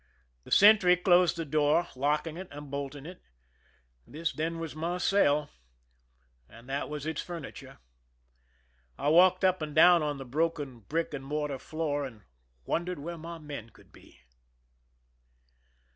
The sentry closed the door, locking and bolting it. This, then, was my cell, and that was its furni ture. I ^v^alked up and down on the broken brick and mortar floor, and wondered where my men could be.